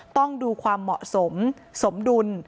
ต้องดูความเหมาะสมสมดุล